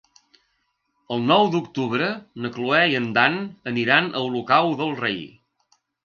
El nou d'octubre na Cloè i en Dan aniran a Olocau del Rei.